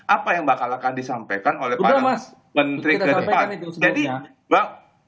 apa yang bakal akan disampaikan oleh para menteri ke depan